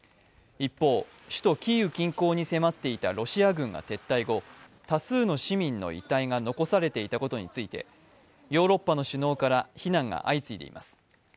一方、首都キーウ近郊に迫っていたロシア軍が撤退後、多数の市民の遺体が残されていたことについてヨーロッパの首脳から非難が相次いでいます。